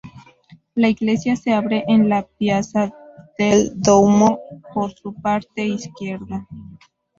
La iglesia se abre en la "piazza del Duomo" por su parte izquierda.